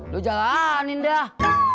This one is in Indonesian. lu jalanin dah